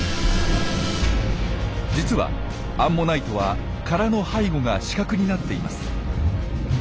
実はアンモナイトは殻の背後が死角になっています。